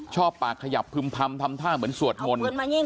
ชอบปากขยับพึ่มพำทำท่าเหมือนสวดมนต์